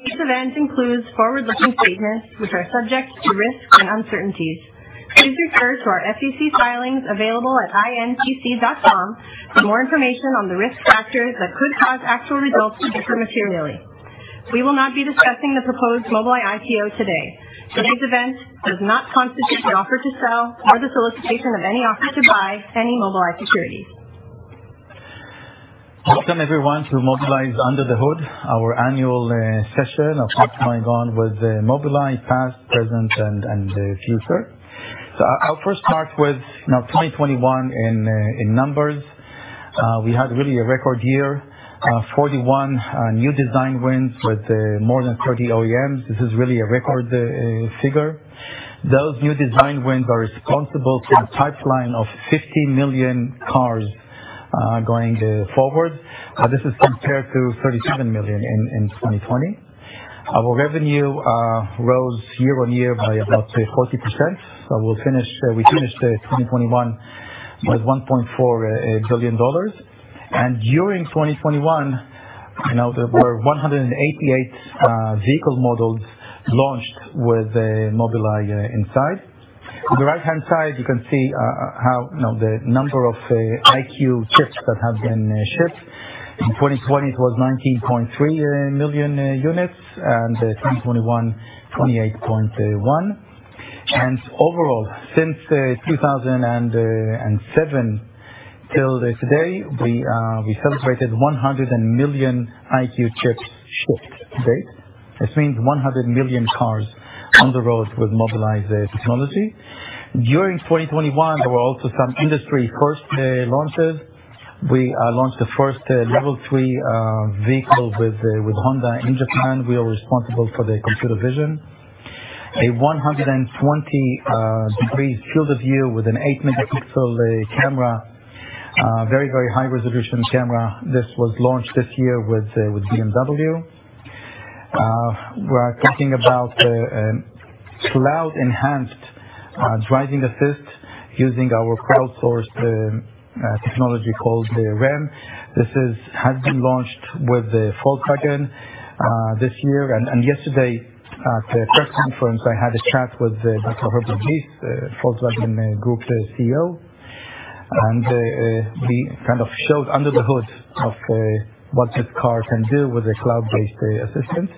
This event includes forward-looking statements which are subject to risks and uncertainties. Please refer to our SEC filings available at intc.com for more information on the risk factors that could cause actual results to differ materially. We will not be discussing the proposed Mobileye IPO today. Today's event does not constitute the offer to sell or the solicitation of any offer to buy any Mobileye securities. Welcome everyone to Mobileye's Under the Hood, our annual session of what's going on with Mobileye past, present and future. I'll first start with, you know, 2021 in numbers. We had really a record year, 41 new design wins with more than 30 OEMs. This is really a record figure. Those new design wins are responsible for the pipeline of 50 million cars going forward. This is compared to 37 million in 2020. Our revenue rose year on year by about 40%. We finished 2021 with $1.4 billion. During 2021, you know, there were 188 vehicle models launched with Mobileye inside. On the right-hand side, you can see how, you know, the number of EyeQ chips that have been shipped. In 2020 it was 19.3 million units, and 2021, 28.1. Overall, since 2007 till today, we celebrated 100 million EyeQ chips shipped to date. This means 100 million cars on the road with Mobileye's technology. During 2021, there were also some industry first launches. We launched the first Level 3 vehicle with Honda in Japan. We are responsible for the computer vision. A 120-degree field of view with an 8-megapixel camera. Very high resolution camera. This was launched this year with BMW. We are talking about cloud enhanced driving assist using our crowdsourced technology called REM. This has been launched with Volkswagen this year. Yesterday at the press conference, I had a chat with Doctor Herbert Diess, Volkswagen Group CEO, and we kind of showed under the hood of what this car can do with a cloud-based assistant.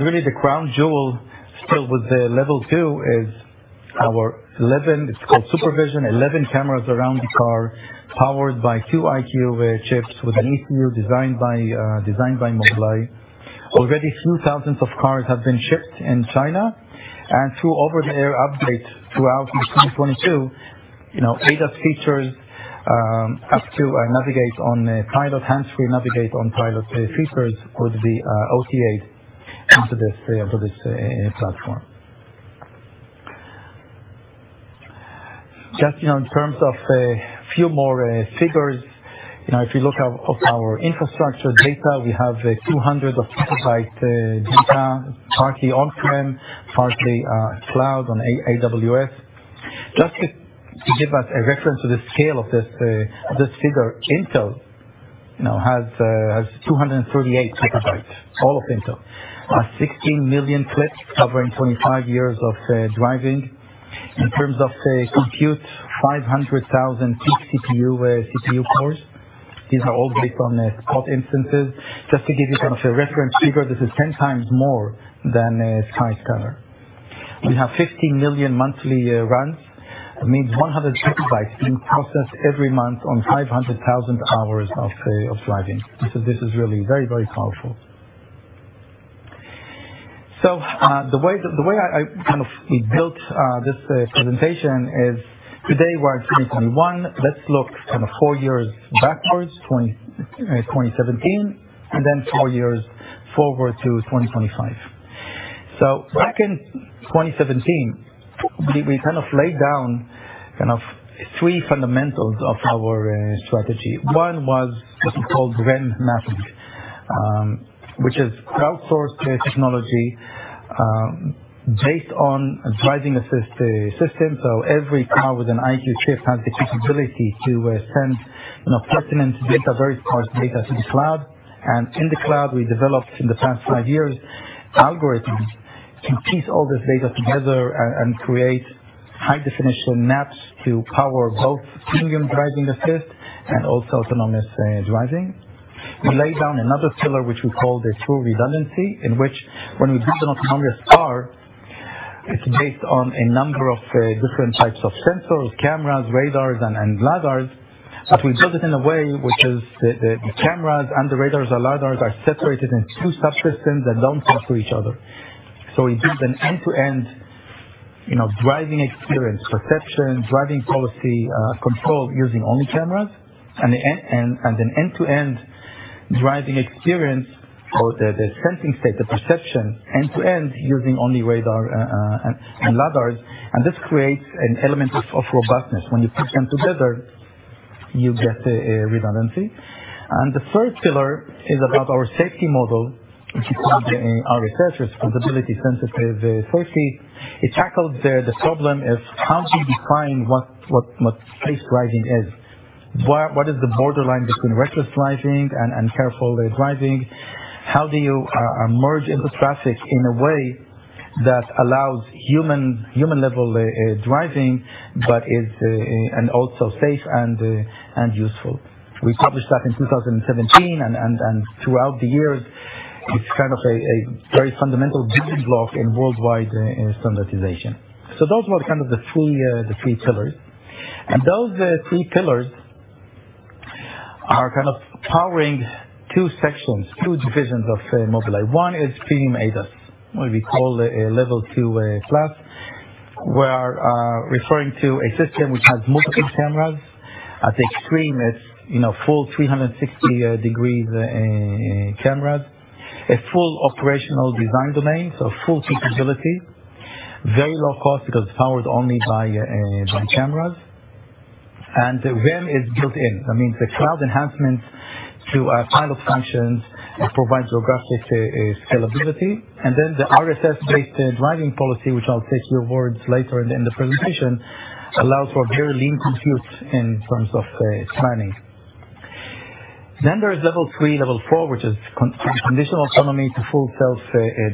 Really the crown jewel still with the Level two is our SuperVision. 11 cameras around the car, powered by two EyeQ chips with an ECU designed by Mobileye. Already a few thousand cars have been shipped in China. Through over the air updates throughout 2022, you know, ADAS features up to navigate on pilot hands-free, navigate on pilot features would be OTA into this platform. Just, you know, in terms of a few more figures. You know, if you look at our infrastructure data, we have 200 petabytes of data, partly on-prem, partly cloud on AWS. Just to give us a reference to the scale of this figure, Intel, you know, has 238 petabytes, all of Intel. 16 million clips covering 25 years of driving. In terms of compute, 500,000 peak CPU cores. These are all based on spot instances. Just to give you kind of a reference figure, this is 10 times more than Skyscanner. We have 50 million monthly runs. It means 100 petabytes being processed every month on 500,000 hours of driving. So this is really very, very powerful. The way I kind of built this presentation is today we're in 2021. Let's look kind of four years backwards, 2017, and then four years forward to 2025. Back in 2017, we kind of laid down kind of three fundamentals of our strategy. One was what we called REM mapping, which is crowdsourced technology based on driving assist systems. Every car with an EyeQ chip has the capability to send, you know, pertinent data, very coarse data to the cloud. In the cloud, we developed in the past five years algorithms to piece all this data together and create high definition maps to power both premium driving assist and also autonomous driving. We laid down another pillar, which we call the true redundancy, in which when we build an autonomous car, it's based on a number of different types of sensors, cameras, radars and lidars. We build it in a way which is the cameras and the radars and lidars are separated in two subsystems that don't talk to each other. We build an end-to-end, you know, driving experience, perception, driving policy, control using only cameras and an end-to-end driving experience or the sensing state, the perception end-to-end using only radar and lidars. This creates an element of robustness. When you put them together, you get redundancy. The third pillar is about our safety model, which is called our Responsibility Sensitive Safety. It tackles the problem of how do you define what safe driving is? What is the borderline between reckless driving and carefully driving? How do you merge into traffic in a way that allows human level driving, but is and also safe and useful? We published that in 2017, and throughout the years, it's kind of a very fundamental building block in worldwide standardization. Those were kind of the three pillars. Those three pillars are kind of powering two sections, two divisions of Mobileye. One is premium ADAS, what we call a level two class. We are referring to a system which has multiple cameras. At the extreme, it's you know full 360 degrees cameras. A full operational design domain, so full traceability. Very low cost because it's powered only by cameras. REM is built in. That means the cloud enhancements through our pilot functions provides geographic scalability. The RSS-based driving policy, which I'll take you towards later in the presentation, allows for very lean compute in terms of planning. There is level three, level four, which is conditional autonomy to full self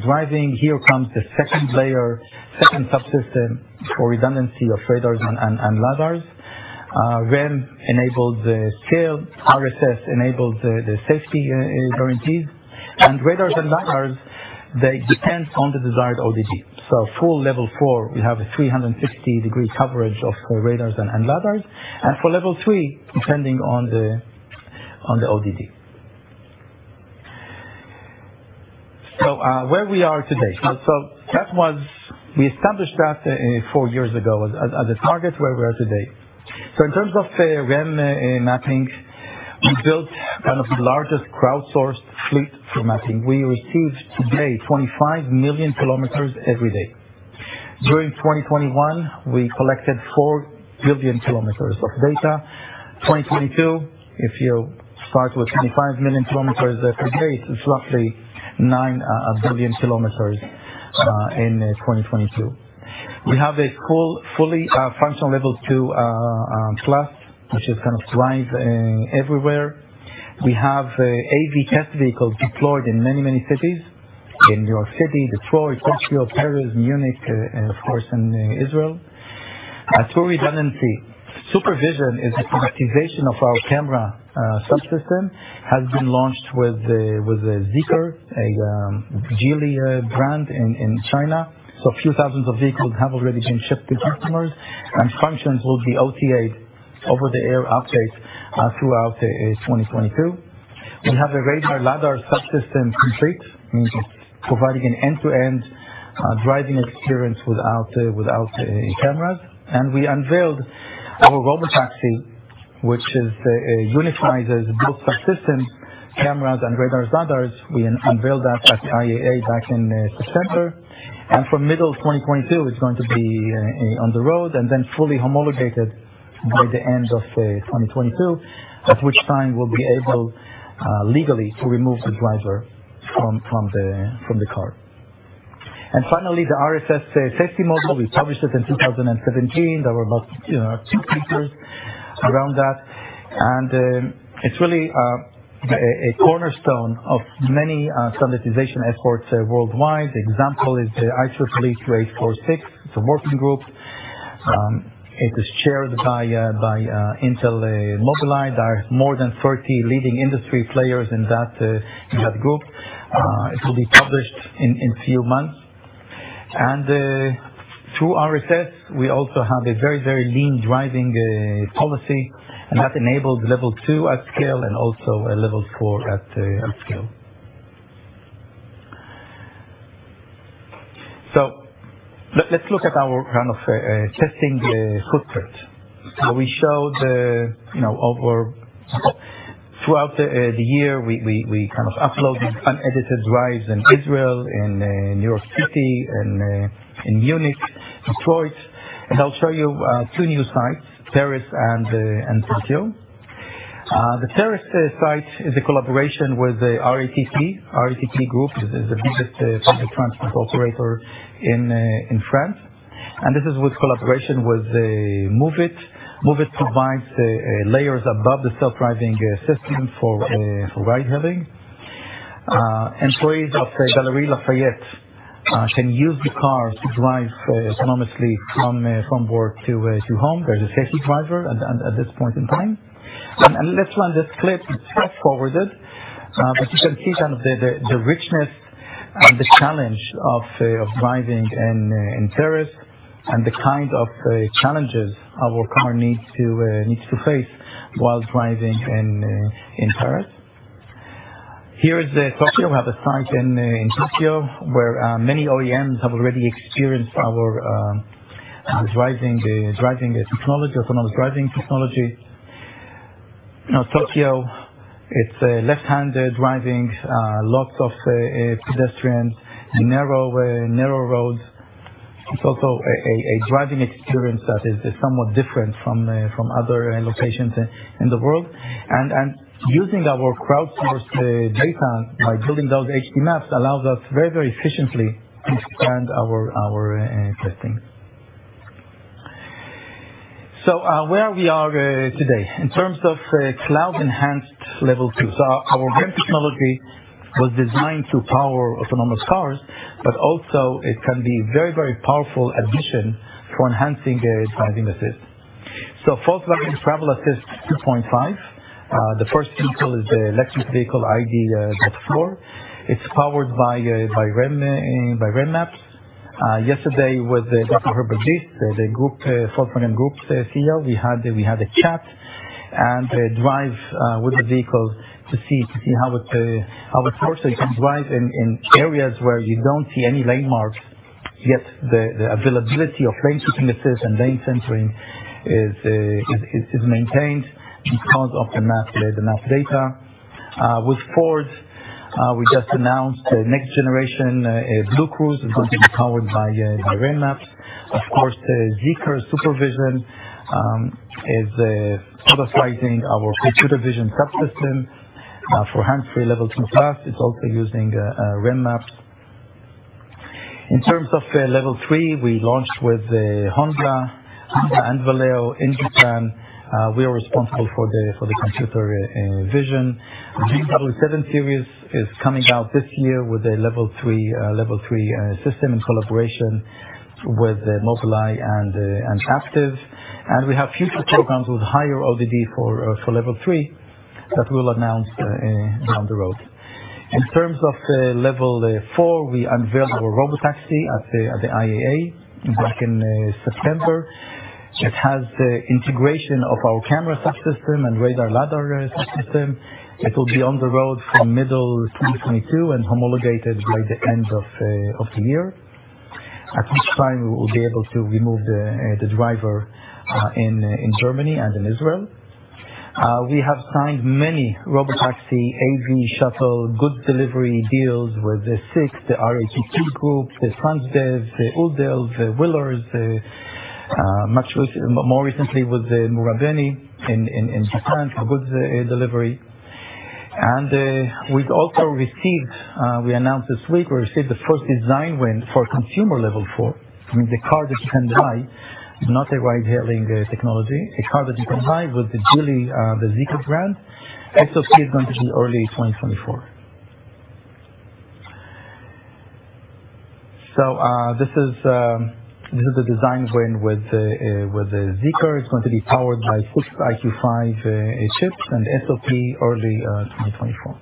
driving. Here comes the second layer, second subsystem for redundancy of radars and lidars. REM enables scale, RSS enables the safety guarantees, and radars and lidars, they depend on the desired ODD. Full level four, we have a 360-degree coverage of radars and lidars. For level three, depending on the ODD. Where we are today. We established that four years ago as a target where we are today. In terms of REM mapping, we built kind of the largest crowdsourced fleet for mapping. We receive today 25 million kilometers every day. During 2021, we collected four billion kilometers of data. 2022, if you start with 25 million kilometers a day, it's roughly nine billion kilometers in 2022. We have a fully functional Level two plus, which is kind of drives everywhere. We have AV test vehicles deployed in many cities. In New York City, Detroit, Tokyo, Paris, Munich and of course, in Israel. True redundancy. SuperVision is the commercialization of our camera subsystem, has been launched with a Zeekr, a Geely brand in China. A few thousand vehicles have already been shipped to customers, and functions will be OTA, over-the-air updates, throughout 2022. We have a radar lidar subsystem complete, means providing an end-to-end driving experience without cameras. We unveiled our robotaxi, which unifies those both subsystems, cameras and radar lidars. We unveiled that at IAA back in September. From middle of 2022, it's going to be on the road, and then fully homologated by the end of 2022, at which time we'll be able legally to remove the driver from the car. Finally, the RSS safety model. We published it in 2017. There were about, you know, two papers around that. It's really a cornerstone of many standardization efforts worldwide. The example is the ISO/PAS 2846. It's a working group. It is chaired by Intel, Mobileye. There are more than 30 leading industry players in that group. It will be published in a few months. Through RSS, we also have a very lean driving policy, and that enables level two at scale and also a level four at scale. Let's look at our kind of testing footprint. We show, you know, throughout the year, we kind of upload these unedited drives in Israel, in New York City, in Munich, Detroit. I'll show you two new sites, Paris and Tokyo. The Paris site is a collaboration with RATP Group. This is the biggest public transport operator in France. This is with collaboration with Moovit. Moovit provides layers above the self-driving system for ride-hailing. Employees of Galeries Lafayette can use the car to drive autonomously from work to home. There's a safety driver at this point in time. Let's run this clip. It's fast-forwarded. But you can see kind of the richness and the challenge of driving in Paris and the kind of challenges our car needs to face while driving in Paris. Here is Tokyo. We have a site in Tokyo where many OEMs have already experienced our driving technology, autonomous driving technology. Now, Tokyo, it's left-hand driving, lots of pedestrians and narrow roads. It's also a driving experience that is somewhat different from other locations in the world. Using our crowdsourced data by building those HD maps allows us very efficiently expand our testing. Where we are today in terms of cloud-enhanced Level 2. Our REM technology was designed to power autonomous cars, but also it can be very powerful addition for enhancing the driving assist. Volkswagen Travel Assist 2.5, the first vehicle is the electric vehicle ID.4. It's powered by REM, by REM maps. Yesterday with Dr. Herbert Diess, the Volkswagen Group CEO, we had a chat and a drive with the vehicle to see how it performs. You can drive in areas where you don't see any lane marks, yet the availability of lane keeping assist and lane centering is maintained because of the map data. With Ford, we just announced next generation BlueCruise is going to be powered by REM maps. Of course, the Zeekr SuperVision is productizing our computer vision subsystem for hands-free level two plus. It's also using a REM map. In terms of level three, we launched with Honda and Valeo in Japan. We are responsible for the computer vision. BMW Seven Series is coming out this year with a Level three system in collaboration with Mobileye and Aptiv. We have future programs with higher ODD for Level three that we'll announce down the road. In terms of Level 4, we unveiled our robotaxi at the IAA back in September. It has the integration of our camera subsystem and radar lidar subsystem. It will be on the road from middle 2022 and homologated by the end of the year. At which time we will be able to remove the driver in Germany and in Israel. We have signed many robotaxi, AV, shuttle, goods delivery deals with the SIXT, the RATP Group, the Transdev, the Udelv, the Willer, more recently with Marubeni in Japan for goods delivery. We've also announced this week we received the first design win for consumer Level 4, I mean, the car that you can buy, not a ride-hailing technology. A car that you can buy with the Geely, the Zeekr brand. SOP is going to be early 2024. This is the design win with the Zeekr. It's going to be powered by two EyeQ5 chips and SOP early 2024.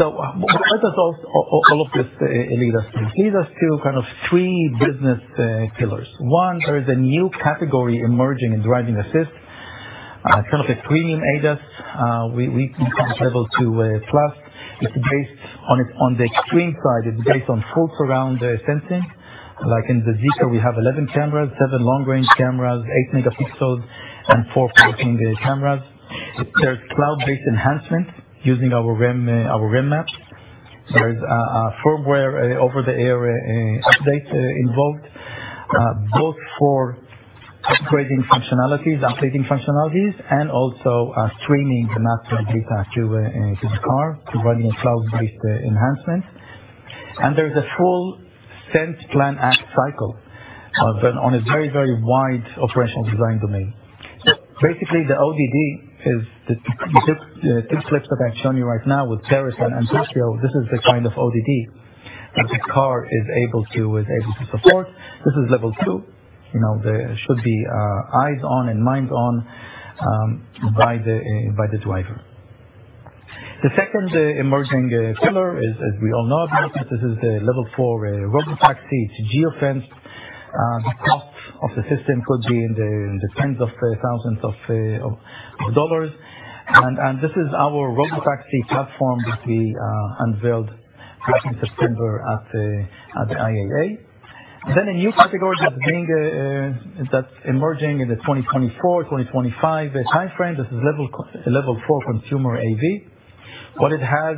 What does all of this lead us to? These are two kind of three business pillars. One, there is a new category emerging in driving assist, kind of a premium ADAS, we call Level 2+. It's based on the extreme side, it's based on full surround sensing. Like in the Zeekr, we have 11 cameras, seven long-range cameras, eight megapixels, and four 14 cameras. There's cloud-based enhancement using our REM, our REM maps. There's a firmware over-the-air update involved, both for upgrading functionalities, updating functionalities, and also streaming the map data to the car to run your cloud-based enhancements. There is a full sense plan act cycle on a very wide operational design domain. Basically, the ODD is the two clips that I've shown you right now with Paris and San Francisco. This is the kind of ODD that the car is able to support. This is Level two. You know, there should be eyes on and minds on by the driver. The second emerging pillar is, as we all know, this is the Level four robotaxi. It's geofenced. The cost of the system could be in the tens of thousands of dollars. This is our robotaxi platform that we unveiled back in September at the IAA. A new category that's emerging in the 2024, 2025 timeframe. This is Level four consumer AV. What it has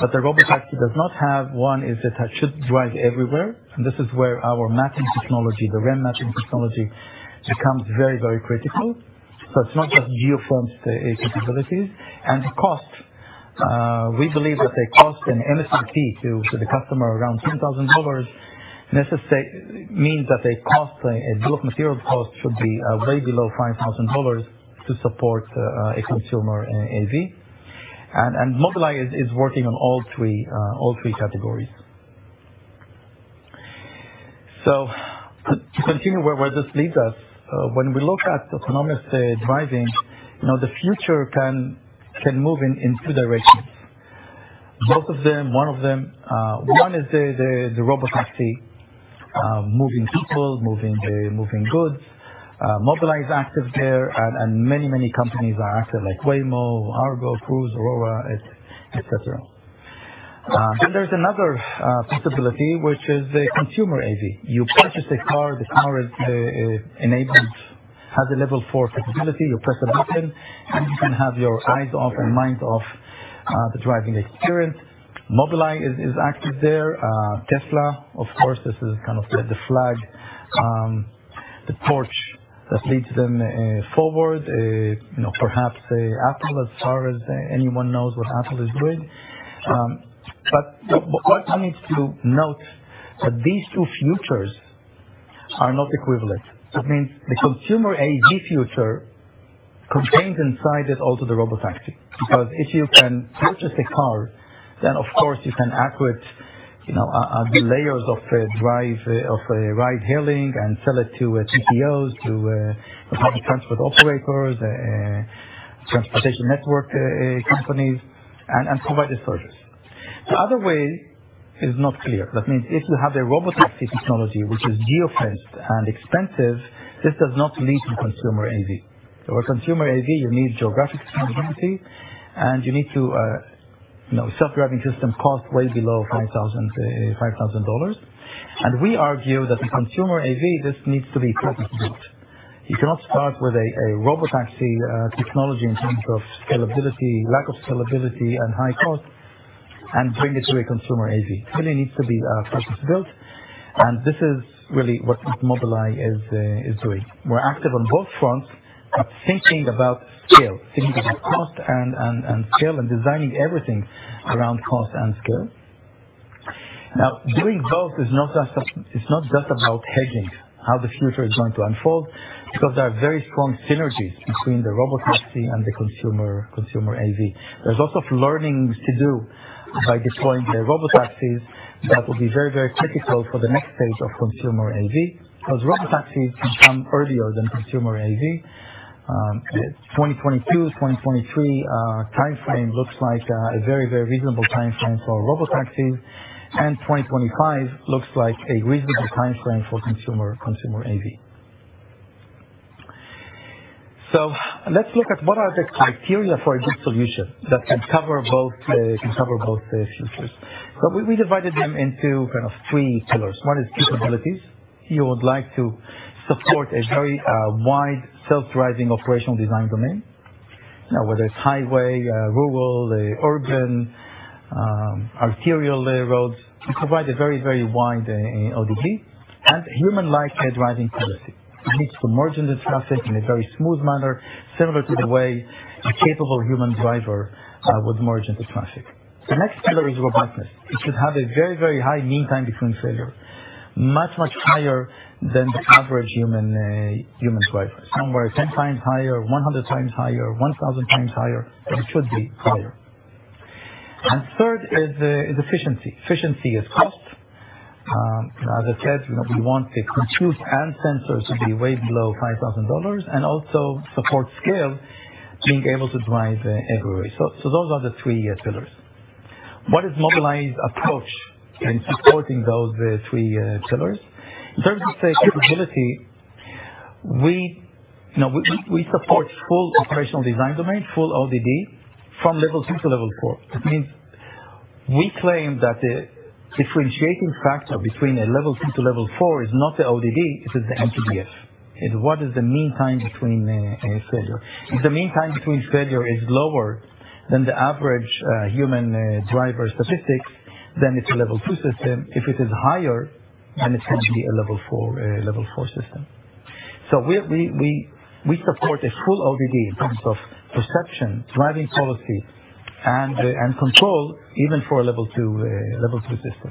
that the robotaxi does not have, one is that it should drive everywhere, and this is where our mapping technology, the REM mapping technology, becomes very, very critical. It's not just geo-fence capabilities. The cost, we believe that the cost in MSRP to the customer around $2,000 means that the cost, bill of material cost should be way below $5,000 to support a consumer AV. Mobileye is working on all three categories. To continue where this leads us, when we look at autonomous driving, you know, the future can move in two directions. One of them is the robotaxi moving people, moving goods. Mobileye is active there and many companies are active like Waymo, Argo, Cruise, Aurora, etc. Then there's another possibility, which is the consumer AV. You purchase a car, the car is enabled, has a level four flexibility. You press a button, and you can have your eyes off and mind off the driving experience. Mobileye is active there. Tesla, of course, this is kind of the flag, the torch that leads them forward. You know, perhaps Apple, as far as anyone knows what Apple is doing. But what I need to note that these two futures are not equivalent. That means the consumer AV future contains inside it also the robot taxi. Because if you can purchase a car, then of course you can acquire, you know, the layers of the drive, of the ride-hailing and sell it to PTOs, to public transport operators, transportation network companies, and provide the service. The other way is not clear. That means if you have a robot taxi technology which is geo-fenced and expensive, this does not lead to consumer AV. For consumer AV, you need geographic scalability, and you need to, you know, self-driving system cost way below $5,000. We argue that the consumer AV, this needs to be purpose-built. You cannot start with a robot taxi technology in terms of scalability, lack of scalability and high cost and bring it to a consumer AV. It really needs to be purpose-built, and this is really what Mobileye is doing. We're active on both fronts, but thinking about scale, thinking about cost and scale, and designing everything around cost and scale. Now, doing both is not just about hedging how the future is going to unfold, because there are very strong synergies between the robot taxi and the consumer AV. There's also learnings to do by deploying the robot taxis that will be very critical for the next phase of consumer AV, because robot taxis can come earlier than consumer AV. 2022, 2023 timeframe looks like a very reasonable timeframe for robot taxis, and 2025 looks like a reasonable timeframe for consumer AV. Let's look at what are the criteria for a good solution that can cover both the futures. We divided them into kind of three pillars. One is capabilities. You would like to support a very wide self-driving operational design domain. Now, whether it's highway, rural, urban, arterial roads, we provide a very, very wide ODD and human-like driving policy. It needs to merge into traffic in a very smooth manner, similar to the way a capable human driver would merge into traffic. The next pillar is robustness. It should have a very, very high meantime between failure, much, much higher than the average human driver. Somewhere 10 times higher, 100 times higher, 1,000 times higher, it should be higher. Third is efficiency. Efficiency is cost. As I said, you know, we want the compute and sensors to be way below $5,000 and also support scale being able to drive everywhere. So those are the three pillars. What is Mobileye's approach in supporting those three pillars? In terms of capability, we, you know, support full operational design domain, full ODD from level two to level four. That means we claim that the differentiating factor between a level two to level four is not the ODD, it is the MTBF. It's what is the mean time between failure. If the mean time between failure is lower than the average human driver statistics, then it's a level two system. If it is higher, then it can be a level four system. We support a full ODD in terms of perception, driving policy, and control even for a level two system.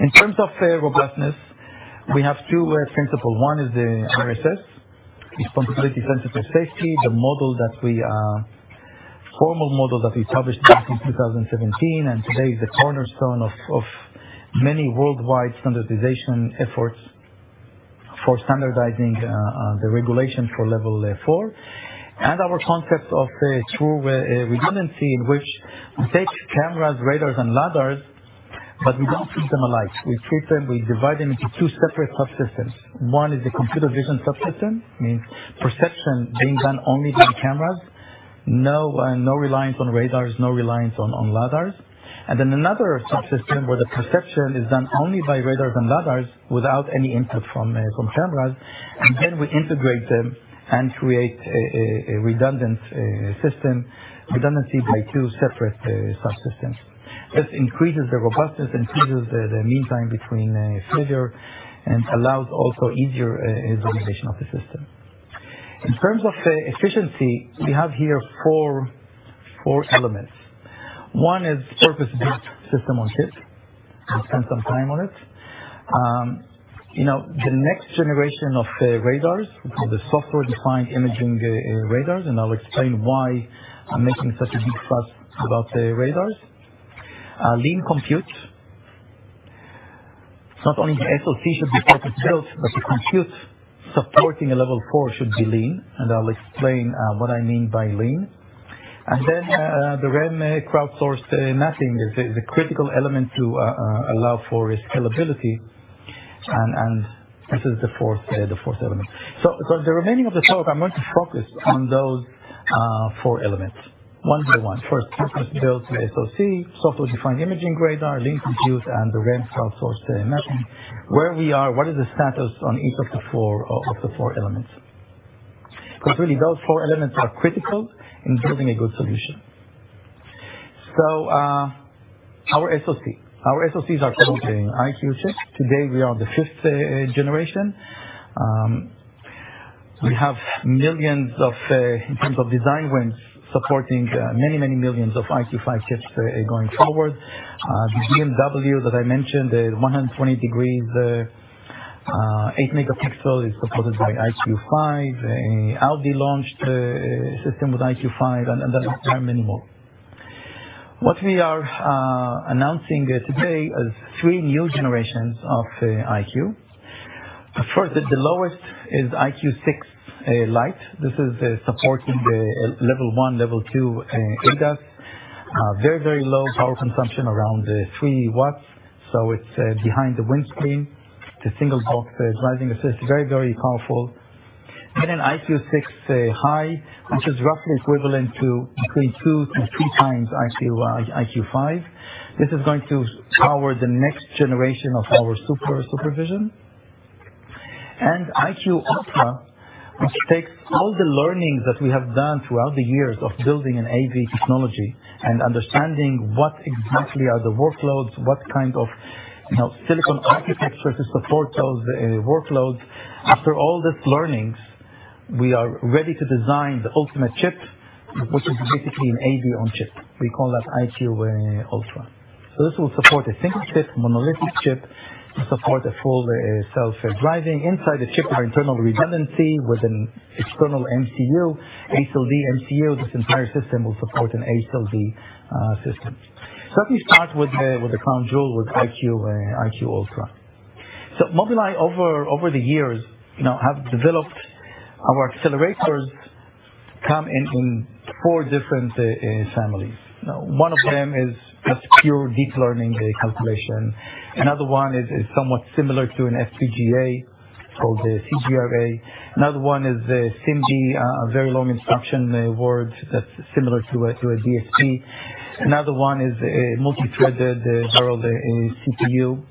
In terms of robustness, we have two principles. One is the RSS, Responsibility Sensitive Safety, the formal model that we published back in 2017 and today is the cornerstone of many worldwide standardization efforts for standardizing the regulation for level four. Our concept of true redundancy in which we take cameras, radars, and lidars, but we don't treat them alike. We treat them. We divide them into two separate subsystems. One is the computer vision subsystem, means perception being done only by cameras. No reliance on radars, no reliance on lidars. Another subsystem where the perception is done only by radars and lidars without any input from cameras. Then we integrate them and create a redundant system, redundancy by two separate subsystems. This increases the robustness, increases the meantime between failure and allows also easier validation of the system. In terms of efficiency, we have here four elements. One is purpose-built system-on-chip. We'll spend some time on it. You know, the next generation of radars, the software-defined imaging radars, and I'll explain why I'm making such a big fuss about the radars. Lean compute. It's not only the SoC should be purpose-built, but the compute supporting a Level four should be lean, and I'll explain what I mean by lean. Then the REM crowdsourced mapping is a critical element to allow for scalability, and this is the fourth element. For the remaining of the talk, I'm going to focus on those four elements one by one. First, purpose-built SoC, software-defined imaging radar, lean compute, and the REM crowdsourced mapping. Where we are, what is the status on each of the four elements? Because really, those four elements are critical in building a good solution. Our SoC. Our SoCs are supporting EyeQ chips. Today we are the fifth generation. We have millions of, in terms of design wins supporting, many, many millions of EyeQ5 chips, going forward. The BMW that I mentioned, the 120 degrees, eight-megapixel is supported by EyeQ5. Audi launched a system with EyeQ5 and there are many more. What we are announcing today is three new generations of EyeQ. First, the lowest is EyeQ6 Lite. This is supporting the Level one, Level two ADAS. Very, very low power consumption, around three W. It's behind the windscreen. It's a single box driving assist. Very, very powerful. EyeQ6 High, which is roughly equivalent to between 2-3 times EyeQ5. This is going to power the next generation of our SuperVision. EyeQ Ultra, which takes all the learnings that we have done throughout the years of building an AV technology and understanding what exactly are the workloads, what kind of, you know, silicon architecture to support those workloads. After all these learnings, we are ready to design the ultimate chip, which is basically an AV on chip. We call that EyeQ Ultra. This will support a single chip, monolithic chip to support a full self-driving inside the chip with internal redundancy with an external MCU, ASIL D MCU. This entire system will support an ASIL D system. Let me start with the crown jewel, with EyeQ EyeQ Ultra. Mobileye over the years, you know, have developed our accelerators come in four different families. One of them is a pure deep learning calculation. Another one is somewhat similar to an FPGA called CGRA. Another one is SIMD very long instruction word that's similar to a DSP. Another one is a multithreaded general CPU.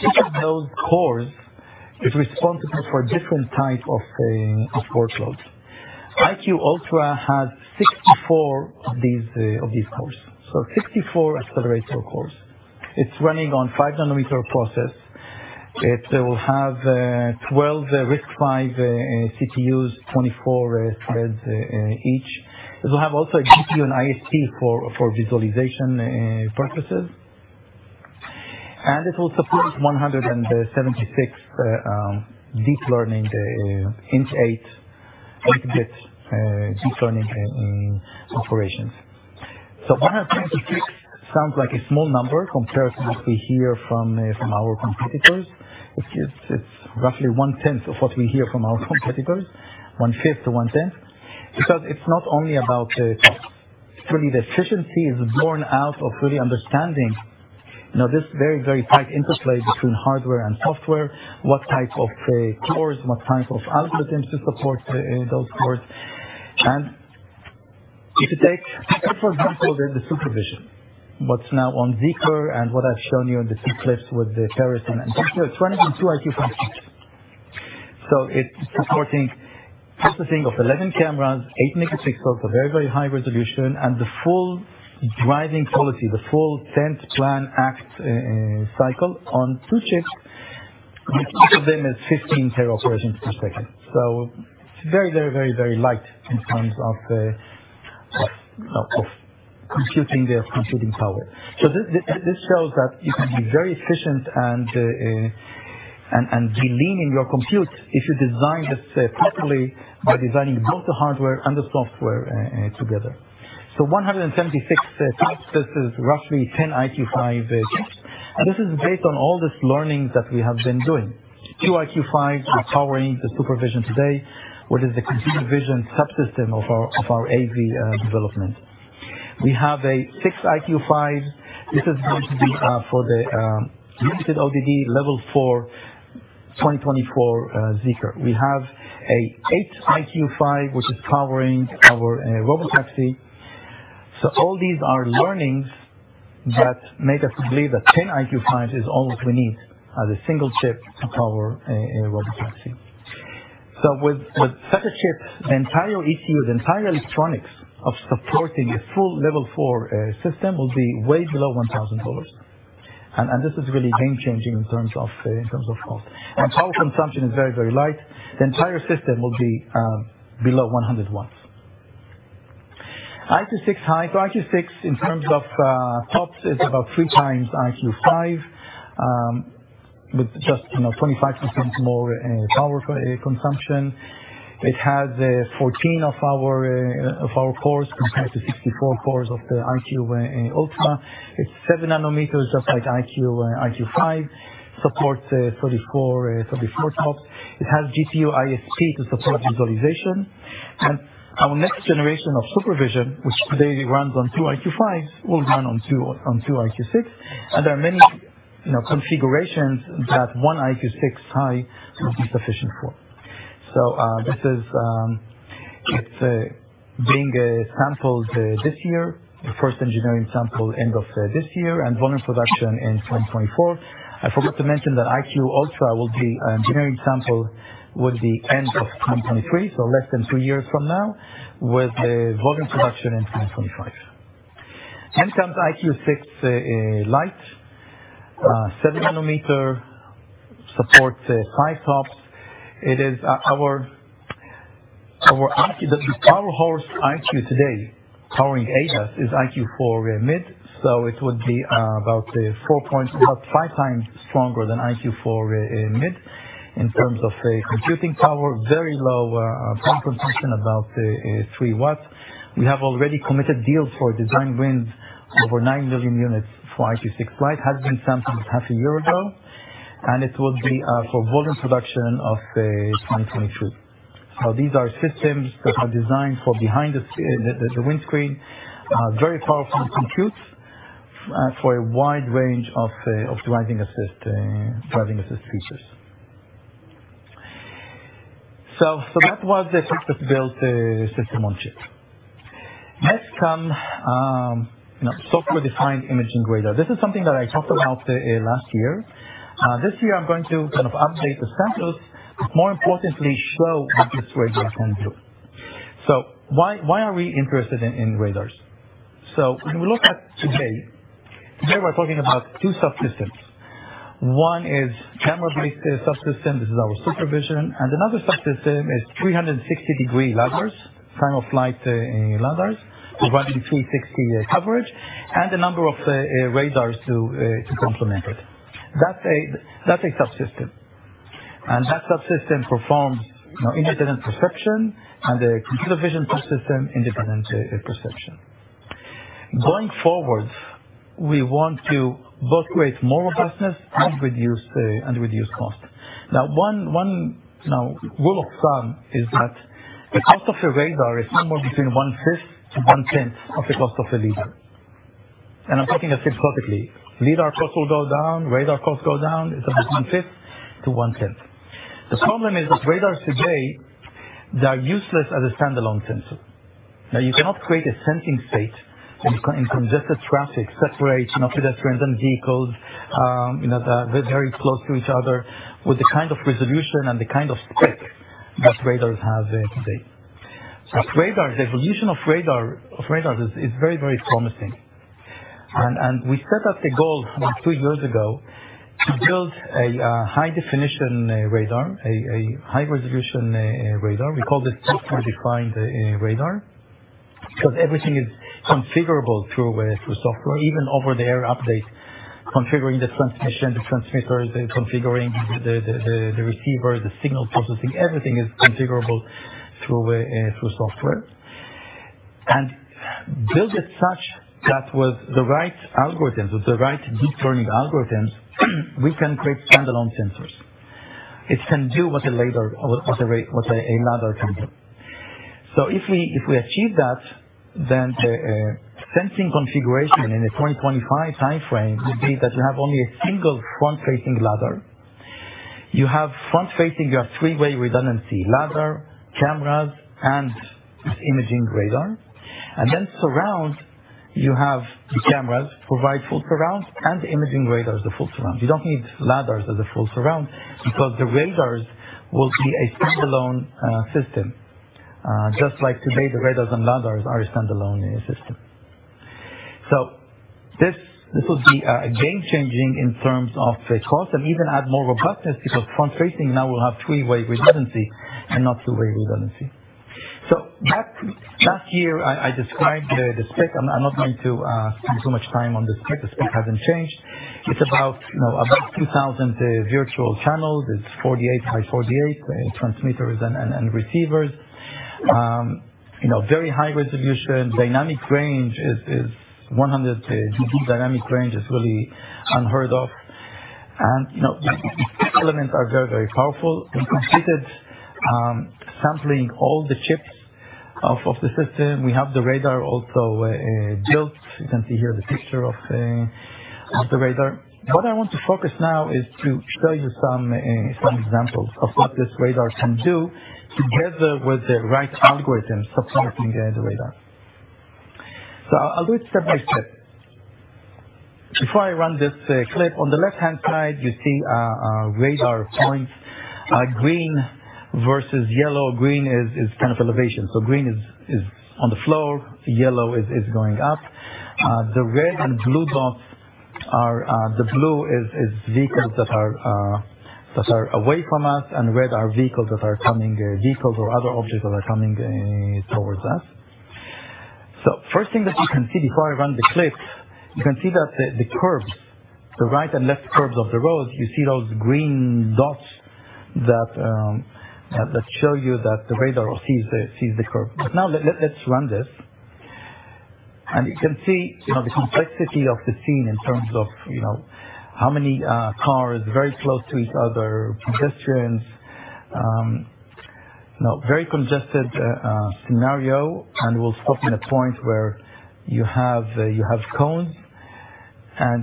Each of those cores is responsible for different type of workloads. EyeQ Ultra has 64 of these cores. 64 accelerator cores. It's running on 5-nanometer process. It will have 12 RISC-V CPUs, 24 threads each. It will have also a GPU and ISP for visualization purposes. 176 sounds like a small number compared to what we hear from our competitors. It's roughly 1/10 of what we hear from our competitors, 1/5 to 1/10. Because it's not only about really understanding, you know, this very, very tight interplay between hardware and software, what type of cores, what type of algorithms to support those cores. If you take, for example, the SuperVision, what's now on Zeekr and what I've shown you in the clips with the Terraton, it's running on two EyeQ5 chips. It's supporting processing of 11 cameras, eight megapixels, very high resolution, and the full driving policy, the full sense, plan, act cycle on two chips. Each of them is 15 tera operations per second. It's very light in terms of computing, the computing power. This shows that you can be very efficient and be lean in your compute if you design this properly by designing both the hardware and the software together. 176 TOPS, this is roughly 10 EyeQ5 chips. This is based on all this learning that we have been doing. Two EyeQ5 is powering the SuperVision today, which is the computer vision subsystem of our AV development. We have an EyeQ6. This is going to be for the limited ODD Level four 2024 Zeekr. We have an eight EyeQ5, which is powering our robotaxi. All these are learnings that make us believe that 10 EyeQ5 is all that we need as a single chip to power a robotaxi. With such a chip, the entire ECU, the entire electronics of supporting a full Level four system will be way below $1,000. This is really game changing in terms of cost. Power consumption is very light. The entire system will be below 100 watts. EyeQ6 High. EyeQ6 in terms of tops is about three times EyeQ5, with just, you know, 25% more power consumption. It has 14 of our cores compared to 64 cores of the EyeQ Ultra. It's seven nanometers just like EyeQ5. Supports 34 TOPS. It has GPU ISP to support visualization. Our next generation of SuperVision, which today runs on two EyeQ5, will run on two EyeQ6. There are many, you know, configurations that one EyeQ6 High will be sufficient for. This is being sampled this year. The first engineering sample end of this year and volume production in 2024. I forgot to mention that EyeQ Ultra will be engineering sampled at the end of 2023, so less than two years from now, with the volume production in 2025. Mobileye's EyeQ6 Lite, 7-nanometer supports five TOPS. It is our EyeQ... The powerhouse EyeQ today powering AV is EyeQ4 Mid, so it would be about four, about five times stronger than EyeQ4 Mid in terms of computing power. Very low power consumption, about three watts. We have already committed deals for design wins over 9 million units for EyeQ6 Lite. Has been sampled half a year ago, and it will be for volume production of 2022. Now these are systems that are designed for behind the windscreen. Very powerful computes for a wide range of driving assist features. That was the system on chip. Next comes software-defined imaging radar. This is something that I talked about last year. This year I'm going to kind of update the samples, more importantly, show what this radar can do. Why are we interested in radars? When we look at today, we're talking about two subsystems. One is camera-based subsystem. This is our SuperVision. Another subsystem is 360-degree lidars providing 360 coverage and a number of radars to complement it. That's a subsystem. That subsystem performs independent perception, and the computer vision subsystem independent perception. Going forward, we want to both create more robustness and reduce cost. One rule of thumb is that the cost of a radar is somewhere between one-fifth to one-tenth of the cost of a lidar. I'm talking hypothetically. Lidar costs will go down, radar costs go down. It's about 1/5 to 1/10. The problem is that radars today, they are useless as a standalone sensor. Now, you cannot create a sensing state in congested traffic, separate, you know, pedestrians and vehicles, you know, that are very close to each other with the kind of resolution and the kind of spec that radars have today. So radars evolution of radars is very promising. We set up a goal about three years ago to build a high definition radar, a high resolution radar. We call this software-defined radar because everything is configurable through software. Even over-the-air update, configuring the transmission, the transmitter, configuring the receiver, the signal processing, everything is configurable through software. Build it such that with the right algorithms, with the right deep learning algorithms, we can create standalone sensors. It can do what a lidar can do. If we achieve that, then the sensing configuration in the 2025 timeframe would be that you have only a single front-facing lidar. You have front-facing, you have three-way redundancy, lidar, cameras, and this imaging radar. Surround, you have the cameras provide full surround and the imaging radar is the full surround. You don't need lidars as a full surround because the radars will be a standalone system, just like today the radars and lidars are a standalone system. This would be game-changing in terms of the cost and even add more robustness because front-facing now will have three-way redundancy and not two-way redundancy. Last year I described the spec. I'm not going to spend so much time on the spec. The spec hasn't changed. It's about 2000 virtual channels. It's 48 by 48 transmitters and receivers. Very high resolution. Dynamic range is 100 dB. Dynamic range is really unheard of. Elements are very powerful. We completed sampling all the chips of the system. We have the radar also built. You can see here the picture of the radar. What I want to focus now is to show you some examples of what this radar can do together with the right algorithms supporting the radar. I'll do it step by step. Before I run this clip, on the left-hand side you see radar points, green versus yellow. Green is kind of elevation, so green is on the floor. Yellow is going up. The red and blue dots are, the blue is vehicles that are away from us, and red are vehicles that are coming, vehicles or other objects that are coming towards us. First thing that you can see before I run the clip, you can see that the curbs, the right and left curbs of the road, you see those green dots that show you that the radar sees the curb. Now let's run this. You can see, you know, the complexity of the scene in terms of, you know, how many cars very close to each other, pedestrians, you know, very congested scenario. We'll stop in a point where you have cones.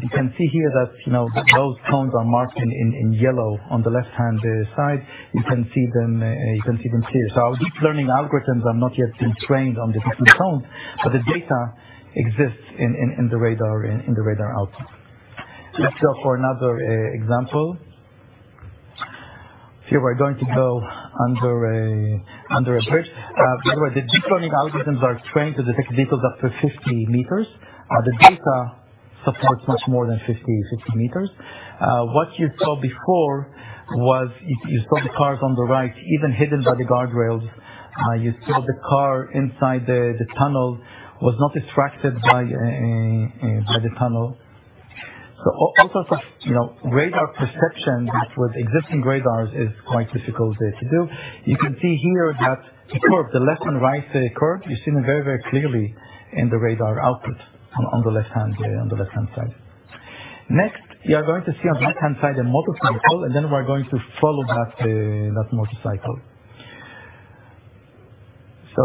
You can see here that, you know, those cones are marked in yellow on the left-hand side. You can see them, you can see them here. Our deep learning algorithms have not yet been trained on the different cones, but the data exists in the radar output. Let's show for another example. Here we're going to go under a bridge. The deep learning algorithms are trained to detect vehicles up to 50 meters. The data supports much more than 50, 60 meters. What you saw before was you saw the cars on the right, even hidden by the guardrails. You saw the car inside the tunnel was not distracted by the tunnel. All sorts of, you know, radar perception with existing radars is quite difficult to do. You can see here that the curve, the left and right curve, you see them very, very clearly in the radar output on the left-hand side. Next, you are going to see on the right-hand side a motorcycle, and then we are going to follow that motorcycle.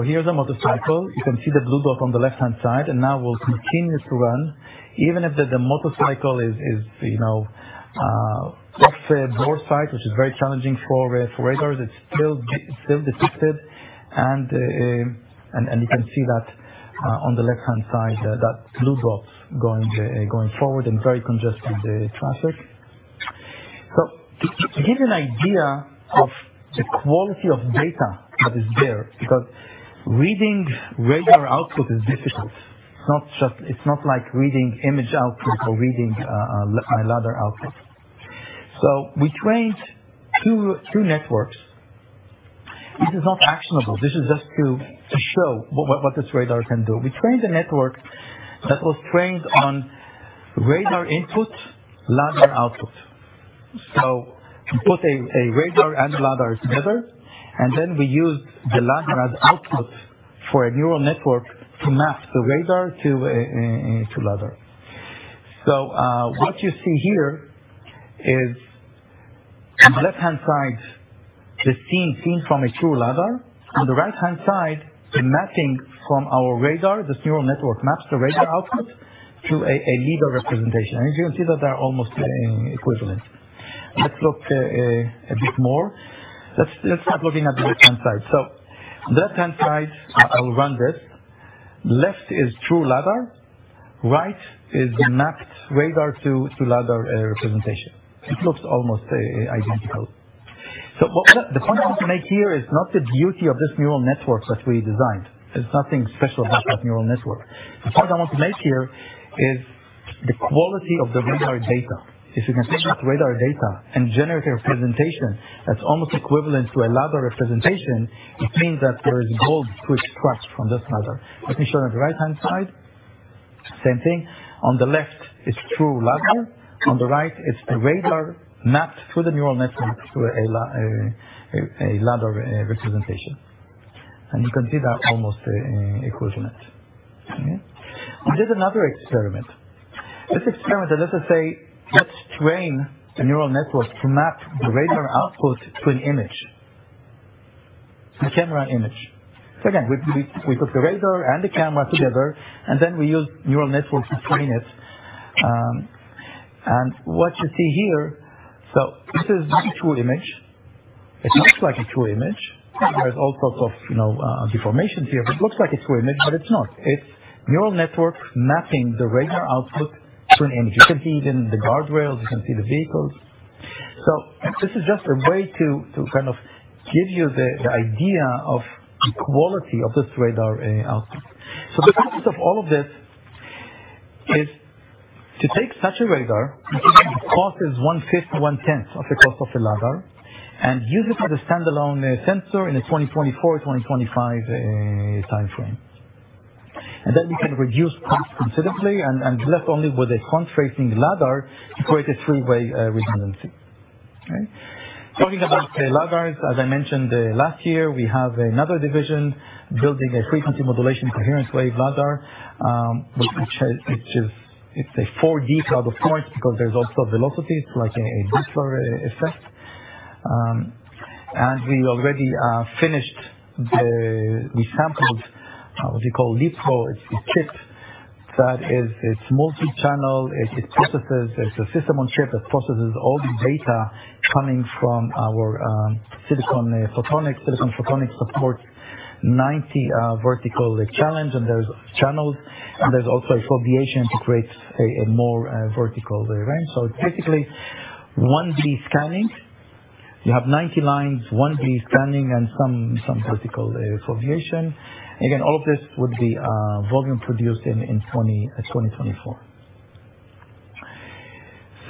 Here's a motorcycle. You can see the blue dot on the left-hand side, and now we'll continue to run. Even if the motorcycle is, you know, off broadside, which is very challenging for radars, it's still detected and you can see that on the left-hand side, that blue dot going forward in very congested traffic. To give you an idea of the quality of data that is there, because reading radar output is difficult. It's not like reading image output or reading a lidar output. We trained two networks. This is not actionable. This is just to show what this radar can do. We trained a network that was trained on radar input, lidar output. We put a radar and lidar together, and then we used the lidar as output for a neural network to map the radar to lidar. What you see here is on the left-hand side, the scene seen from a true lidar. On the right-hand side, the mapping from our radar. This neural network maps the radar output to a lidar representation. You can see that they're almost equivalent. Let's look a bit more. Let's start looking at the right-hand side. On the left-hand side, I'll run this. Left is true lidar, right is the mapped radar to lidar representation. It looks almost identical. The point I want to make here is not the beauty of this neural network that we designed. There's nothing special about that neural network. The point I want to make here is the quality of the radar data. If you can take that radar data and generate a representation that's almost equivalent to a lidar representation, it means that there is gold to extract from this radar. Let me show you on the right-hand side. Same thing. On the left is true lidar. On the right is the radar mapped through the neural network to a lidar representation. You can see they are almost equivalent. Okay. We did another experiment. This experiment lets us say, let's train a neural network to map the radar output to an image, a camera image. Again, we put the radar and the camera together, and then we use neural networks to train it. What you see here. This is not a true image. It looks like a true image. There's all sorts of, you know, deformations here, but it looks like a true image, but it's not. It's neural network mapping the radar output to an image. You can see even the guardrails, you can see the vehicles. This is just a way to kind of give you the idea of the quality of this radar output. The purpose of all of this is to take such a radar, which cost is one-fifth to one-tenth of the cost of the lidar, and use it as a standalone sensor in a 2024, 2025 timeframe. Then we can reduce costs considerably and be left only with a front-facing lidar to create a three-way redundancy. Talking about lidars, as I mentioned last year, we have another division building a frequency modulated continuous wave lidar, which is a 4D cloud of points because there's also velocities like a Doppler effect. We already finished the samples what we call LiDAR SoC. It's a chip that is multi-channel. It processes. There's a system on chip that processes all the data coming from our silicon photonics. Silicon photonics supports 90 vertical channels, and there are channels, and there's also a way to create a more vertical range. Basically 1D scanning. You have 90 lines, 1D scanning and some vertical configuration. Again, all of this would be volume produced in 2024.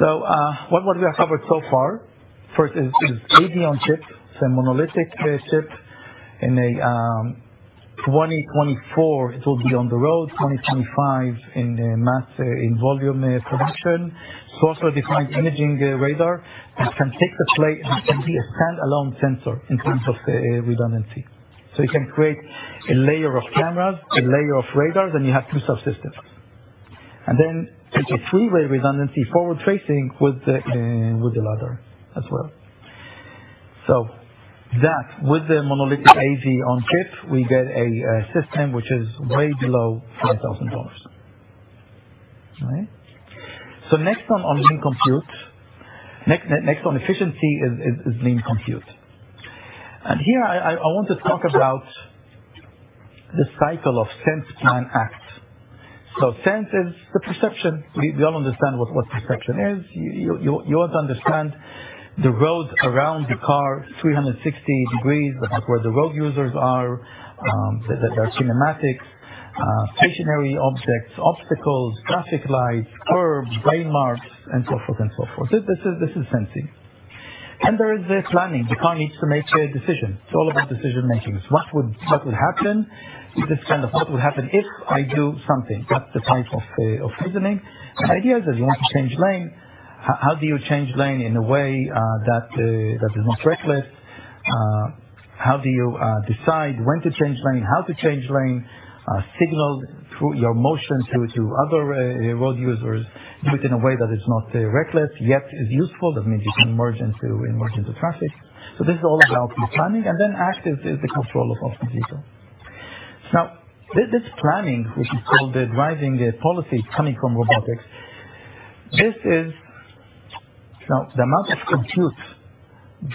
What would we have covered so far? First is AD on chip. It's a monolithic chip. In 2024, it will be on the road. 2025 in mass volume production. It's also a 4D imaging radar that can take its place and can be a standalone sensor in terms of redundancy. You can create a layer of cameras, a layer of radars, and you have two subsystems. Then take a three-way redundancy forward-facing with the lidar as well. So that with the monolithic AV on chip, we get a system which is way below $10,000. All right. Next one on lean compute. Next one efficiency is lean compute. Here I want to talk about the cycle of sense and act. Sense is the perception. We all understand what perception is. You want to understand the world around the car, 360 degrees, where the road users are, their kinematics, stationary objects, obstacles, traffic lights, curbs, lane marks and so forth. This is sensing. There is the planning. The car needs to make a decision. It's all about decision making. It's what would happen. It's this kind of what would happen if I do something. That's the type of reasoning. The idea is that you want to change lane. How do you change lane in a way that is not reckless? How do you decide when to change lane? How to change lane? Signal through your motion to other road users. Do it in a way that is not reckless, yet is useful. That means you can merge into and merge into traffic. This is all about planning. Then act is the control of the vehicle. Now, this planning, which is called the driving policy coming from robotics. This is. Now, the amount of compute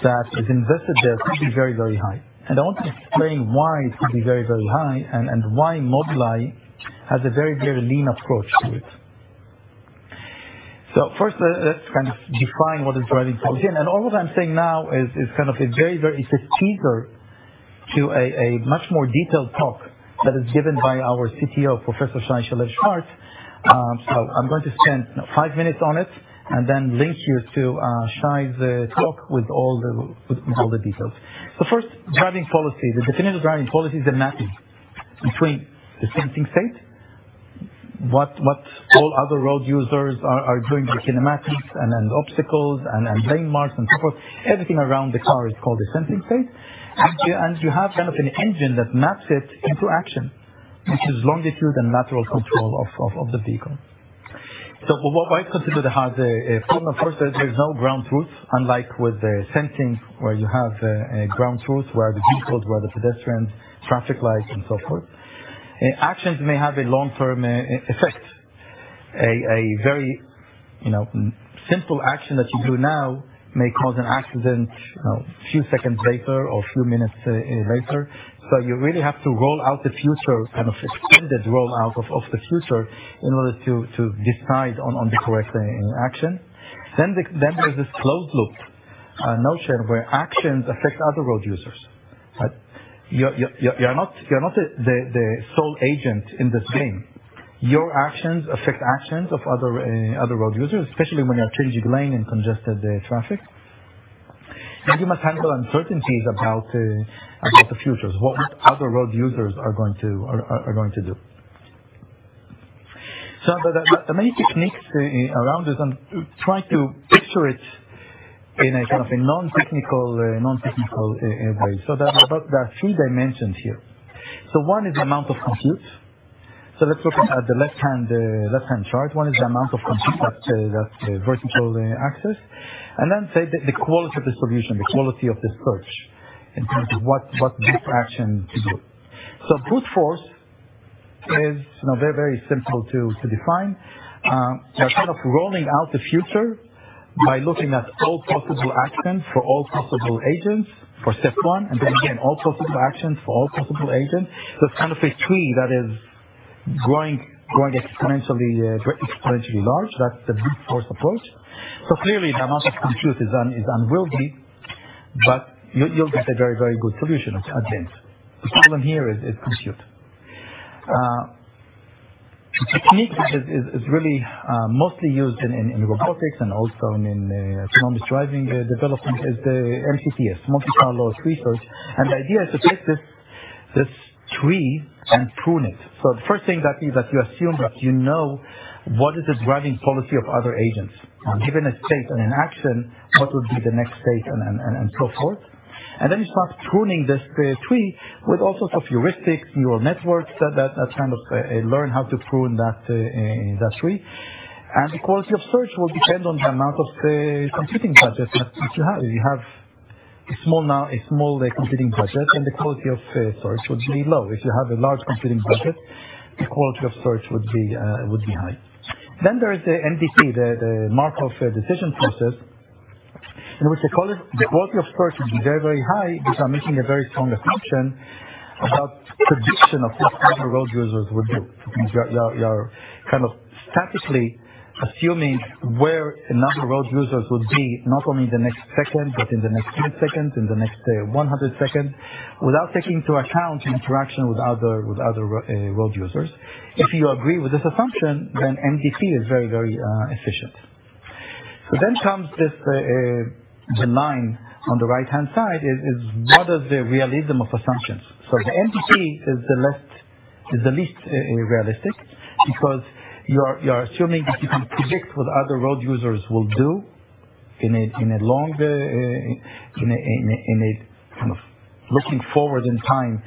that is invested there could be very, very high. I want to explain why it could be very, very high and why Mobileye has a very, very lean approach to it. First, let's kind of define what is driving policy. All what I'm saying now is kind of a very teaser to a much more detailed talk that is given by our CTO, Professor Shai Shalev-Shwartz. I'm going to spend five minutes on it and then link you to Shai's talk with all the details. First, driving policy. The definitive driving policy is a mapping between the sensing state, what all other road users are doing, the kinematics and obstacles and lane marks and so forth. Everything around the car is called a sensing state. You have kind of an engine that maps it into action, which is longitude and lateral control of the vehicle. What might consider the hard problem. Of course, there's no ground truth, unlike with the sensing, where you have a ground truth, where are the vehicles, where are the pedestrians, traffic lights and so forth. Actions may have a long-term effect. A very, you know, simple action that you do now may cause an accident, you know, few seconds later or few minutes later. So you really have to roll out the future, kind of extended roll out of the future in order to decide on the correct action. Then there's this closed loop notion where actions affect other road users, right? You're not the sole agent in this game. Your actions affect actions of other road users, especially when you are changing lane in congested traffic. You must handle uncertainties about the future. What other road users are going to do. The many techniques around this, I'm trying to picture it in a kind of a non-technical way. There are three dimensions here. One is the amount of compute. Let's look at the left-hand chart. One is the amount of compute. That's the vertical axis. Then say the quality of the solution, the quality of the search in terms of what deep action to do. Brute force is, you know, very simple to define. You're kind of rolling out the future by looking at all possible actions for all possible agents for step one, and then again, all possible actions for all possible agents. It's kind of a tree that is growing exponentially large. That's the brute force approach. Clearly the amount of compute is unwieldy, but you'll get a very good solution at the end. The problem here is compute. The technique which is really mostly used in robotics and also in autonomous driving development is the MCTS, Monte Carlo Tree Search. The idea is to take this tree and prune it. The first thing is that you assume that you know what is the driving policy of other agents. Given a state and an action, what would be the next state and so forth. You start pruning this tree with all sorts of heuristics, neural networks that kind of learn how to prune that tree. The quality of search will depend on the amount of computing budget that you have. If you have a small computing budget, then the quality of search would be low. If you have a large computing budget, the quality of search would be high. There is the MDP, the Markov decision process, in which the quality of search is very, very high because I'm making a very strong assumption about prediction of what other road users would do. You are kind of statically assuming where enough road users would be, not only in the next second, but in the next few seconds, in the next 100 seconds, without taking into account interaction with other road users. If you agree with this assumption, then MDP is very efficient. The line on the right-hand side is what is the realism of assumptions. The MDP is the least realistic because you're assuming that you can predict what other road users will do in a long kind of looking forward in time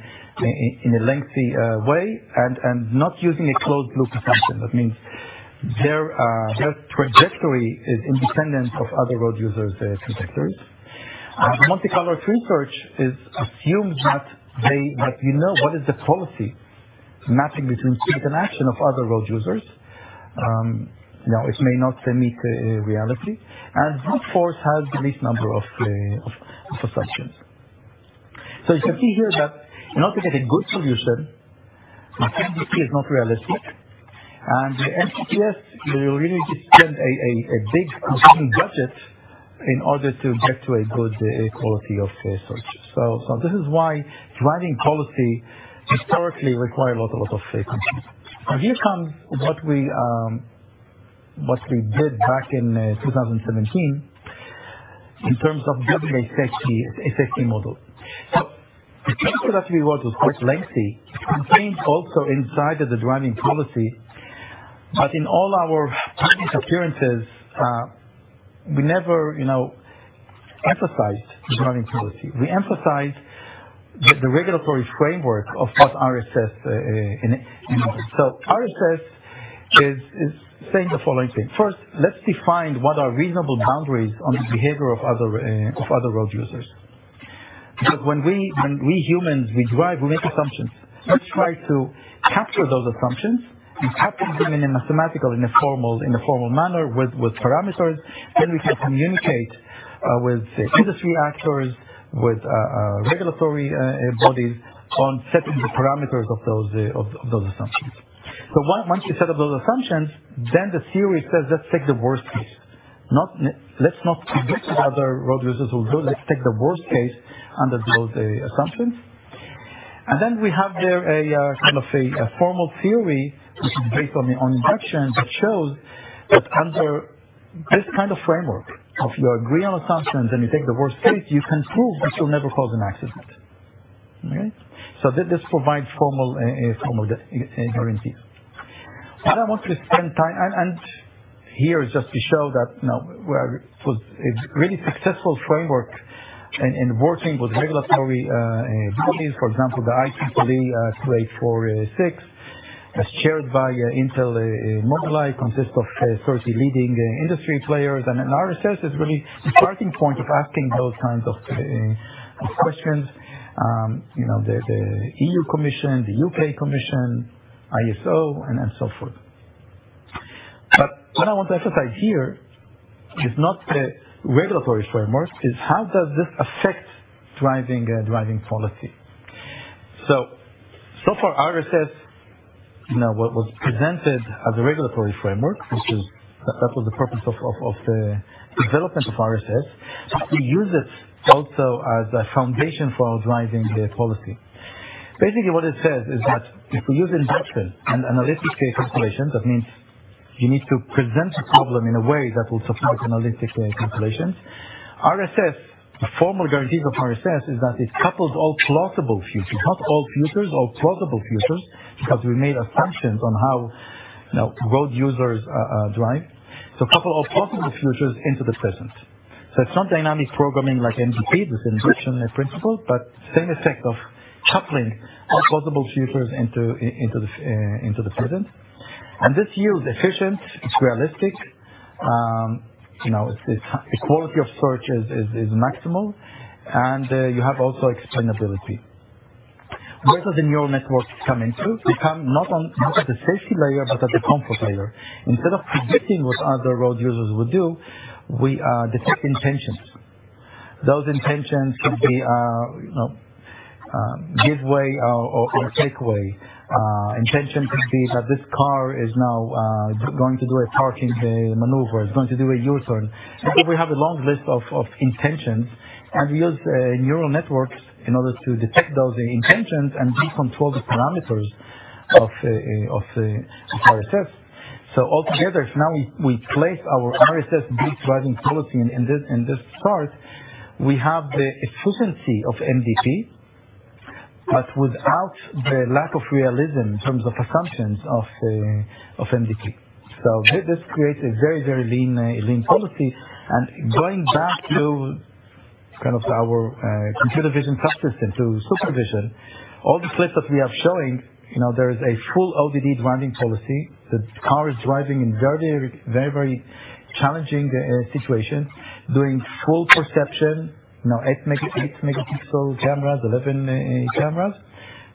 in a lengthy way and not using a closed loop assumption. That means their trajectory is independent of other road users, trajectories. Monte Carlo Tree Search is assumed that you know what is the policy mapping between state and action of other road users. Now it may not meet reality. Brute force has the least number of assumptions. You can see here that in order to get a good solution, MDP is not realistic, and MCTS, you really need to spend a big computing budget in order to get to a good quality of search. This is why driving policy historically require a lot of safety. Here comes what we did back in 2017 in terms of building a safety model. The paper that we wrote was quite lengthy. It contains also inside of the driving policy, but in all our public appearances, we never emphasized the driving policy. We emphasized the regulatory framework of what RSS enables. RSS is saying the following thing. First, let's define what are reasonable boundaries on the behavior of other road users. Because when we humans, we drive, we make assumptions. Let's try to capture those assumptions and capture them in a mathematical, in a formal manner with parameters. We can communicate with industry actors, with regulatory bodies on setting the parameters of those assumptions. Once you set up those assumptions, the theory says, "Let's take the worst case." Let's not predict what other road users will do. Let's take the worst case under those assumptions. We have there a formal theory which is based on induction that shows that under this kind of framework, if you agree on assumptions and you take the worst case, you can prove that you'll never cause an accident. Okay? This provides formal guarantee. I don't want to spend time here is just to show that, you know, was a really successful framework in working with regulatory bodies. For example, the IEEE 2846, as chaired by Intel Mobileye, consists of 30 leading industry players. RSS is really the starting point of asking those kinds of questions. You know, the EU Commission, the UK Commission, ISO, and so forth. What I want to emphasize here is not the regulatory frameworks. It's how this affects driving policy. So far RSS, you know, was presented as a regulatory framework, which is that was the purpose of the development of RSS. We use it also as a foundation for our driving policy. Basically, what it says is that if we use induction and analytic calculations, that means you need to present the problem in a way that will support analytic calculations. RSS, the formal guarantees of RSS is that it couples all plausible futures. Not all futures, all plausible futures, because we made assumptions on how, you know, road users drive. Couple all plausible futures into the present. It's not dynamic programming like MDP with induction principles, but same effect of coupling all plausible futures into the present. This yields efficient, it's realistic, you know, it's quality of search is maximal, and you have also explainability. Where do the neural networks come into? They come not at the safety layer, but at the comfort layer. Instead of predicting what other road users would do, we detect intentions. Those intentions could be give way or take away. Intention could be that this car is now going to do a turning maneuver. It's going to do a U-turn. We have a long list of intentions, and we use neural networks in order to detect those intentions and control the parameters of RSS. All together now we place our RSS-based driving policy in this chart. We have the efficiency of MDP, but without the lack of realism in terms of assumptions of MDP. This creates a very lean policy. Going back to kind of our computer vision process in SuperVision, all the clips that we are showing, you know, there is a full ODD driving policy. The car is driving in very challenging situations, doing full perception. You know, eight-megapixel cameras, 11 cameras.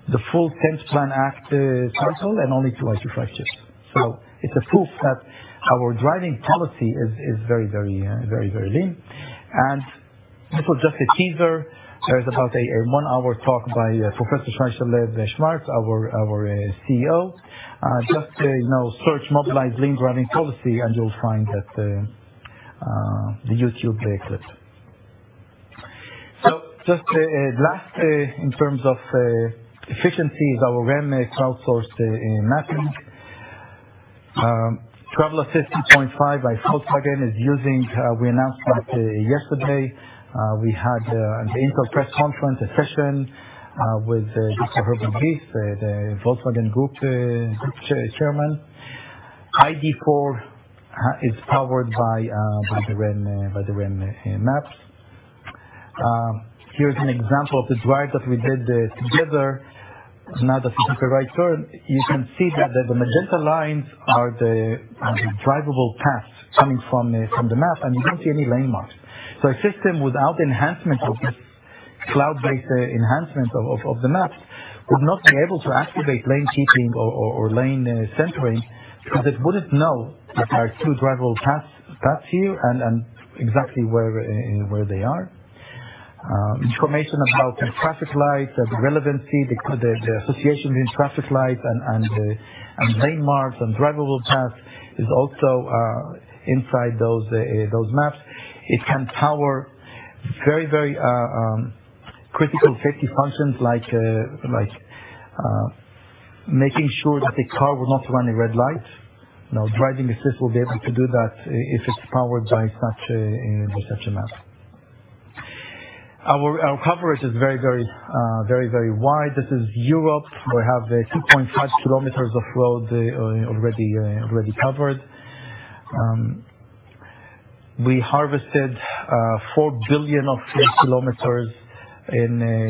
The full sense plan act threshold, and only two EyeQ5s. It's a proof that our driving policy is very lean. This was just a teaser. There's about a one-hour talk by Professor Shai Shalev-Shwartz, our CTO. You know, search Mobileye lean driving policy, and you'll find that the YouTube clip. Just last in terms of efficiency is our REM maps, outsourced mapping. Travel Assist 2.5 by Volkswagen is using. We announced that yesterday. We had an Intel press conference, a session with Dr. Herbert Diess, the Volkswagen Group Chairman. ID.4 is powered by the REM maps. Here's an example of this drive that we did together. Now that it's at the right turn, you can see that the magenta lines are the drivable paths coming from the map, and you don't see any lane marks. A system without cloud-based enhancement of the maps would not be able to activate lane keeping or lane centering because it wouldn't know that there are two drivable paths past you and exactly where they are. Information about traffic lights, the relevancy, the association between traffic lights and landmarks and drivable paths is also inside those maps. It can power critical safety functions like making sure that the car will not run a red light. Now, driving assist will be able to do that if it's powered by such a map. Our coverage is very wide. This is Europe. We have 2.5 km of road already covered. We harvested four billion of these km in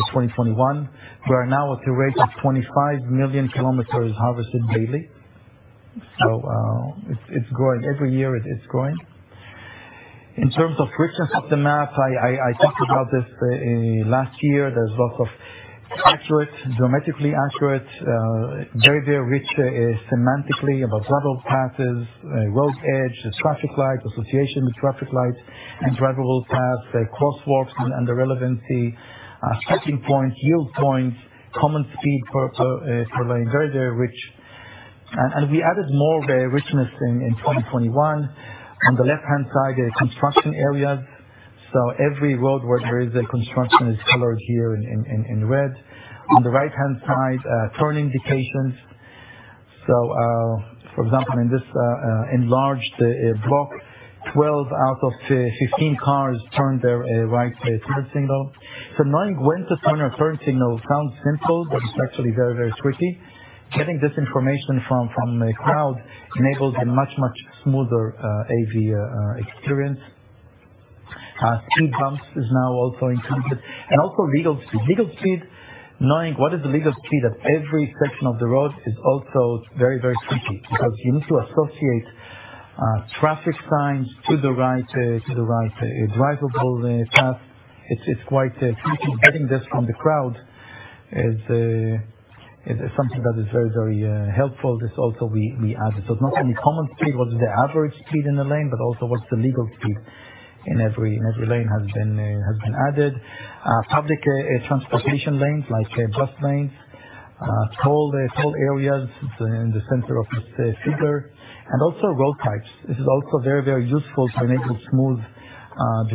2021. We are now at the rate of 25 million km harvested daily. So, it's growing. Every year it is growing. In terms of richness of the map, I talked about this last year. There's lots of accurate, geometrically accurate, very rich, semantically about drivable paths, road edge, the traffic light, association with traffic lights and drivable paths, crosswalks and the relevancy, checking points, yield points, common speed for the very rich. We added more of a richness in 2021. On the left-hand side, construction areas. Every road where there is a construction is colored here in red. On the right-hand side, turn indications. For example, in this enlarged block, 12 out of 15 cars turned their right turn signal. Knowing when to turn a turn signal sounds simple, but it's actually very, very tricky. Getting this information from the crowd enables a much, much smoother AV experience. Speed bumps is now also encountered. Legal speed, knowing what is the legal speed at every section of the road is also very, very tricky because you need to associate traffic signs to the right drivable path. It's quite tricky. Getting this from the crowd is something that is very helpful. This we also added. It's not only common speed, what is the average speed in the lane, but also what's the legal speed in every lane has been added. Public transportation lanes, like bus lanes, toll areas in the center of this figure, and also road types. This is also very useful to enable smooth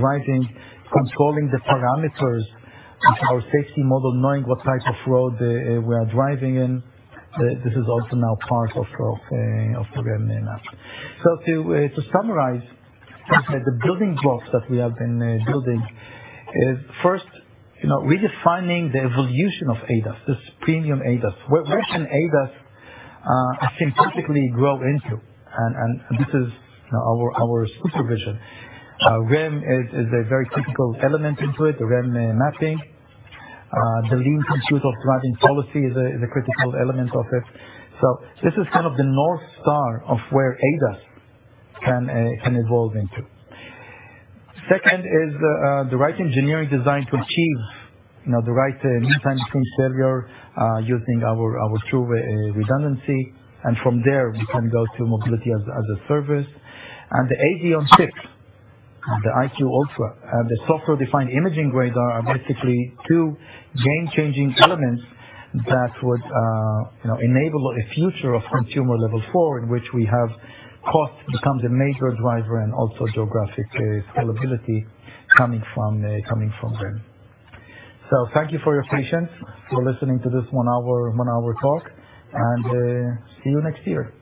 driving, controlling the parameters of our safety model, knowing what type of road we are driving in. This is also now part of the REM mapping. To summarize, the building blocks that we have been building is first, you know, redefining the evolution of ADAS, this premium ADAS. Where can ADAS sympathetically grow into? This is, you know, our SuperVision. REM is a very critical element into it, the REM mapping. The lean compute of driving policy is a critical element of it. This is kind of the North Star of where ADAS can evolve into. Second is the right engineering design to achieve, you know, the right mean time between failure, using our true redundancy, and from there, we can go to mobility as a service. The EyeQ Ultra and the software-defined imaging radar are basically two game-changing elements that would, you know, enable a future of consumer Level four in which cost becomes a major driver and also geographic scalability coming from REM. Thank you for your patience, for listening to this one hour talk, and see you next year. Thank you.